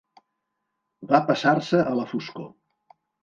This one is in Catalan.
Va passar-se a la foscor.